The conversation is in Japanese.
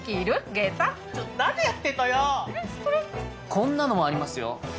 こんなのもありますよ。